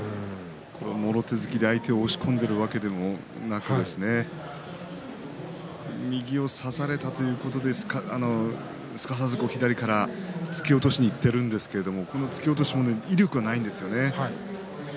もろ手突きで相手を押し込んでいるわけでもなく右を差されたということですからすかさず左から突き落としにいっているんですけどこの突き落としも威力はないんですよね。